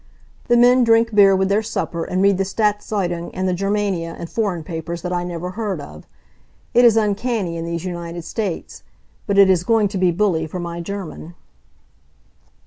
The men drink beer with their supper and read the Staats Zeitung and the Germania and foreign papers that I never heard of. It is uncanny, in these United States. But it is going to be bully for my German.